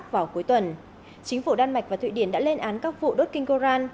vào cuối tuần chính phủ đan mạch và thụy điển đã lên án các vụ đốt kinh coran